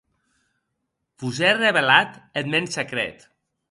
Vos è revelat eth mèn secret.